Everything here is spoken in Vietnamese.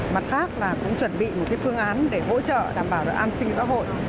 mặt khác là cũng chuẩn bị một phương án để hỗ trợ đảm bảo được an sinh xã hội